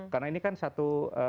karena ini kan satu